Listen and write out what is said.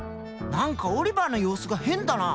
何かオリバーの様子が変だな？